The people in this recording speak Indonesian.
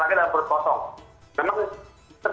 iya jadi kalau secara fisiologinya memang memang